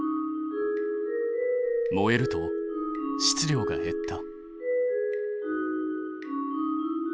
燃えると質量が減った。